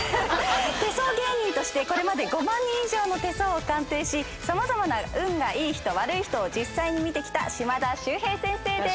手相芸人としてこれまで５万人以上の手相を鑑定し様々な運がいい人悪い人を実際に見てきた島田秀平先生です。